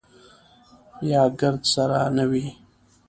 یا ګرد سره نه وي.